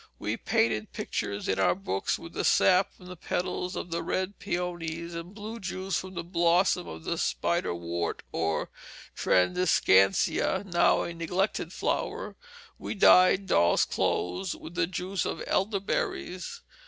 We painted pictures in our books with the sap from the petals of the red peonies, and blue juice from the blossom of the spiderwort, or tradescantia, now a neglected flower. We dyed dolls' clothes with the juice of elderberries.